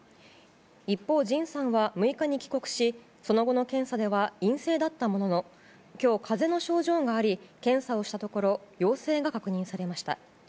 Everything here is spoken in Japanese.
一方、ＪＩＮさんは６日に帰国しその後の検査では陰性だったものの今日、かぜの症状があり検査をしたところ陽性が確認されました。